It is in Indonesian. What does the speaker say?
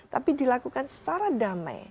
tapi dilakukan secara damai